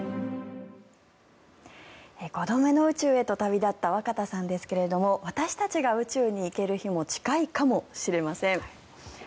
５度目の宇宙へと旅立った若田さんですが私たちが宇宙に行ける日も近いかもしれません。